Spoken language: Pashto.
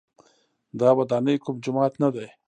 دا ودانۍ کوم جومات نه دی.